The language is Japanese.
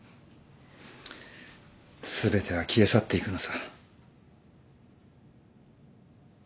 全ては消え去っていくのさ。